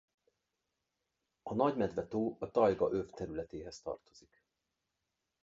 A Nagy-Medve-tó a tajga öv területéhez tartozik.